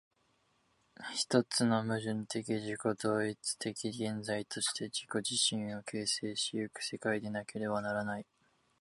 一つの矛盾的自己同一的現在として自己自身を形成し行く世界でなければならない。